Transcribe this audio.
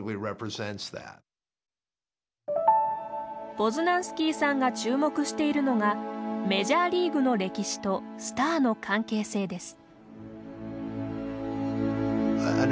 ポズナンスキーさんが注目しているのがメジャーリーグの歴史とスターの関係性です。